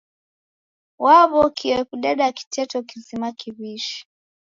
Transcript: Waw'okie kudeda kiteto kizima kiw'ishi.